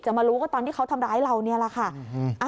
มารู้ก็ตอนที่เขาทำร้ายเรานี่แหละค่ะ